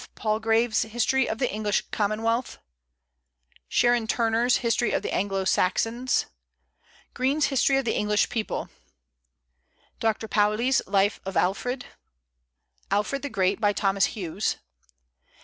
Palgrave's History of the English Commonwealth; Sharon Turner's History of the Anglo Saxons; Green's History of the English People; Dr. Pauli's Life of Alfred; Alfred the Great, by Thomas Hughes.